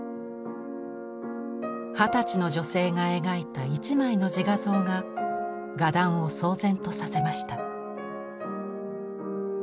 二十歳の女性が描いた一枚の自画像が画壇を騒然とさせました。